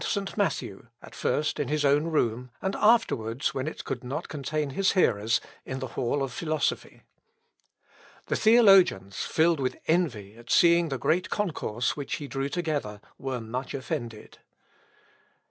Brentz, although he was still so youthful, explained St. Matthew, at first in his own room, and afterwards, when it could not contain his hearers, in the hall of philosophy. The theologians, filled with envy at seeing the great concourse which he drew together, were much offended.